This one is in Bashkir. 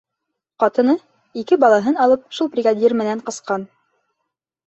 Ҡатыны, ике балаһын алып, шул бригадир менән ҡасҡан.